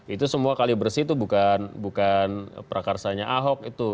itu semua kali bersih itu bukan prakarsanya ahok itu